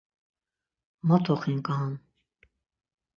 Mot oxinǩan!